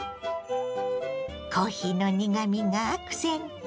コーヒーの苦みがアクセント。